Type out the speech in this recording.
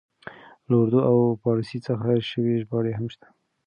له اردو او پاړسي څخه شوې ژباړې هم شته.